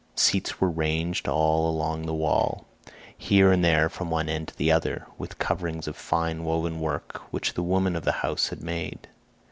Seats were ranged all along the wall, here and there from one end to the other, with coverings of fine woven work which the women of the house had made.